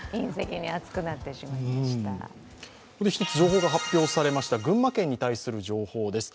ここで１つ情報が発表されました群馬県に対する情報です。